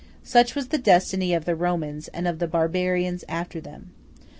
Such was the destiny of the Romans, and of the barbarians after them.